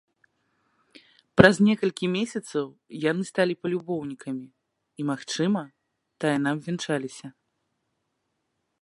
Праз некалькі месяцаў яны сталі палюбоўнікамі і, магчыма, тайна абвянчаліся.